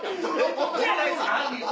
僕やないです。